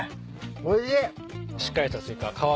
おいしい！